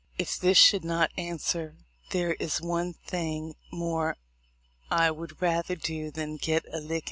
If this should not answer, there is one thing more that I would rather do than get a lickin'.